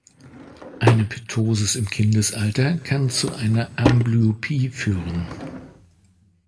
Eine Ptosis im Kindesalter kann zu einer Amblyopie führen.